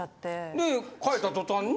でかえた途端に。